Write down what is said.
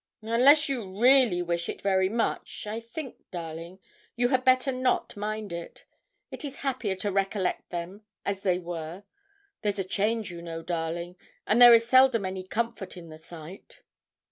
'Unless you really wish it very much, I think, darling, you had better not mind it. It is happier to recollect them as they were; there's a change, you know, darling, and there is seldom any comfort in the sight.'